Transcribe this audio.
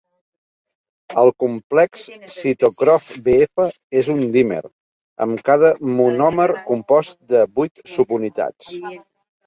El complex citocrom bf és un dímer, amb cada monòmer compost de vuit subunitats.